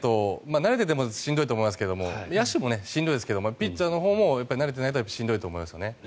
慣れていてもしんどいと思いますけど野手もしんどいですがピッチャーのほうも慣れていないとしんどいと思いますね。